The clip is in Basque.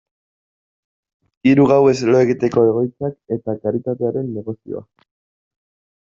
Hiru gauez lo egiteko egoitzak eta karitatearen negozioa.